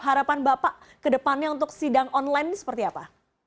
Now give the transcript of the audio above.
harapan bapak ke depannya untuk sidang online ini seperti apa